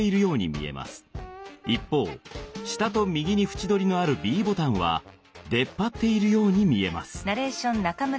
一方下と右に縁取りのあるＢボタンは出っ張っているように見えます。